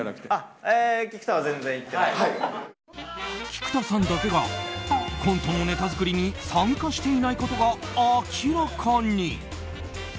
菊田さんだけがコントのネタ作りに参加していないことが明らかに。